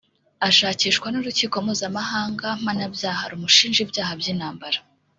ashakishwa n’Urukiko Mpuzamahanga Mpanabyaha rumushinja ibyaha by’intambara